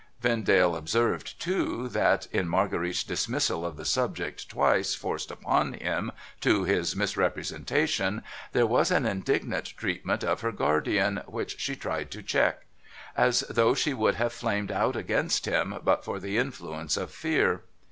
Vendale observed too, that in Marguerite's dismissal of the subject twice forced upon him to his misrepresentation, there was an indignant treatment of her guardian which she tried to check : as though she would have flamed out against him, but for the influence of fear.